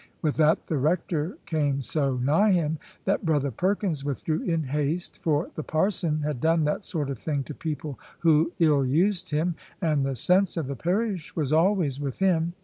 With that the rector came so nigh him, that brother Perkins withdrew in haste; for the parson had done that sort of thing to people who ill used him; and the sense of the parish was always with him.